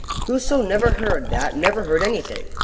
Whoso never heard that never heard anything!